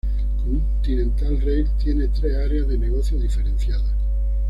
Continental Rail tiene tres áreas de negocio diferenciadas.